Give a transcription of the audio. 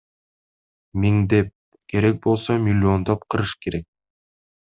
Миңдеп, керек болсо миллиондоп кырыш керек.